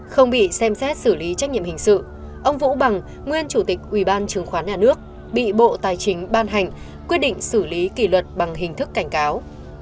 không bị xem xét xử lý trách nhiệm hình sự ông vũ bằng nguyên chủ tịch ủy ban chứng khoán nhà nước bị bộ tài chính ban hành quyết định xử lý kỷ luật bằng hình thức cảnh cáo